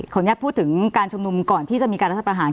อนุญาตพูดถึงการชุมนุมก่อนที่จะมีการรัฐประหาร